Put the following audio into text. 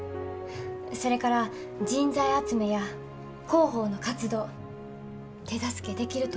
それから人材集めや広報の活動手助けできると思うんです。